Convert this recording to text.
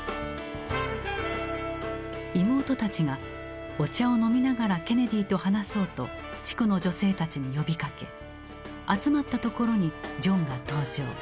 妹たちが「お茶を飲みながらケネディと話そう」と地区の女性たちに呼びかけ集まったところにジョンが登場。